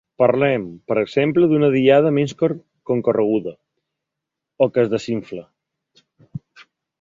Parlen, per exemple, d’una Diada ‘menys concorreguda’ o que ‘es desinfla’.